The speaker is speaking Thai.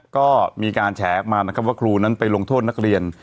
ก็มีการแฉนค์มาว่าครูนั้นไปลงโทษนักเรียน